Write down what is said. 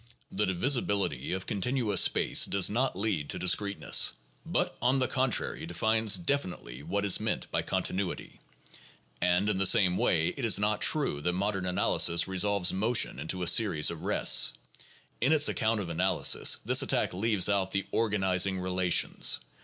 The divisibility of continuous space does not lead to dis creteness, but, on the contrary, defines definitely what is meant by continuity ; and, in the same way, it is not true that modern analysis resolves motion into a series of rests. In its account of analysis, this attack leaves out the organizing relations.